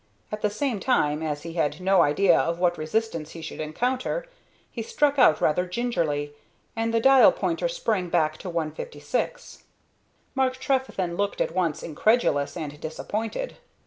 At the same time, as he had no idea of what resistance he should encounter, he struck out rather gingerly, and the dial pointer sprang back to 156. Mark Trefethen looked at once incredulous and disappointed.